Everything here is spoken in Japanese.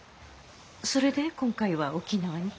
それで今回は沖縄に？